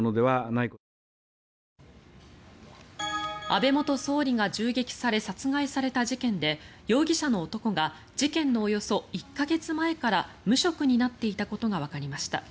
安倍元総理が銃撃され殺害された事件で容疑者の男が事件のおよそ１か月前から無職になっていたことがわかりました。